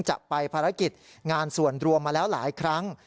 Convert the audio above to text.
จะไปภารกิจงานส่วนรวมมาแล้วหลายครั้ง